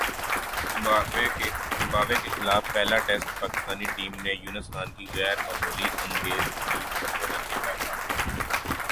Zimbabwe کے خلاف پہلا ٹیسٹ پاکستانی ٹیم نے یونس خان کی غیر معمولی اننگز کی بدولت جیتا تھا ۔